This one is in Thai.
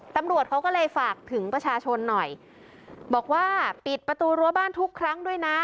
ตำรวจเขาก็เลยฝากถึงประชาชนหน่อยบอกว่าปิดประตูรั้วบ้านทุกครั้งด้วยนะ